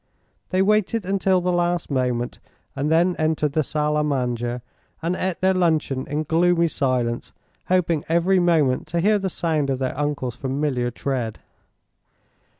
They waited until the last moment and then entered the salle a manger and ate their luncheon in gloomy silence, hoping every moment to hear the sound of their uncle's familiar tread.